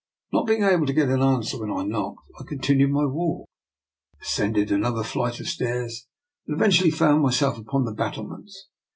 Not able to get any answer when I knocked, I continued my walk, ascended another flight of stairs, and eventually found myself upon the battlements.